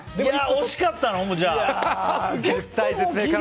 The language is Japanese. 惜しかったのか。